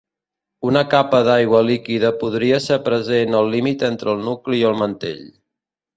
Una capa d'aigua líquida podria ser present al límit entre el nucli i el mantell.